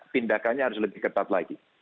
tindakannya harus lebih ketat lagi